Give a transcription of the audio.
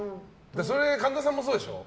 神田さんもそうでしょ？